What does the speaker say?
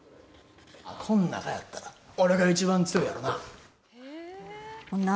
こん中やったら俺が一番強いやろな。